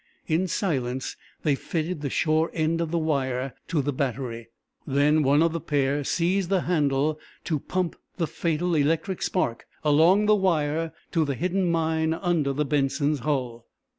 In silence they fitted the shore end of the wire to the battery. Then one of the pair seized the handle to pomp the fatal electric spark along the wire to the hidden mine under the "Benson's" hull.